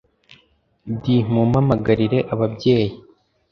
d mumpamagarire ababyeyi